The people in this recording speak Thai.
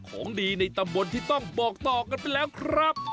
ของดีในตำบลที่ต้องบอกต่อกันไปแล้วครับ